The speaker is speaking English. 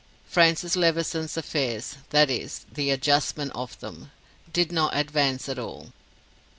Francis Levison's affairs that is, the adjustment of them did not advance at all.